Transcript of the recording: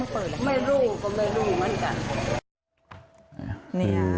เปิดไม่รู้ก็ไม่รู้เหมือนกัน